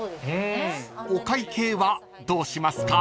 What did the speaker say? ［お会計はどうしますか？］